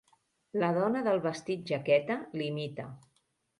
La dona del vestit-jaqueta l'imita.